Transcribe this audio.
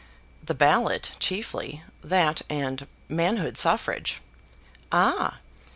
"The ballot chiefly, that, and manhood suffrage." "Ah!